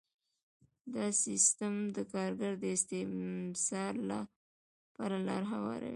دا سیستم د کارګر د استثمار لپاره لاره هواروي